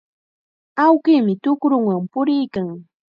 Awkinmi tukrunwan puriykan.